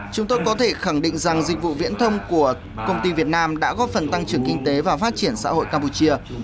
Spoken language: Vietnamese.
chúng tôi có thể khẳng định rằng dịch vụ viễn thông của công ty việt nam đã góp phần tăng trưởng kinh tế và phát triển xã hội campuchia